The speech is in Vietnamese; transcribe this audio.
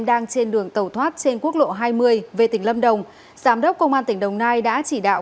đang trên đường tàu thoát trên quốc lộ hai mươi về tỉnh lâm đồng giám đốc công an tỉnh đồng nai đã chỉ đạo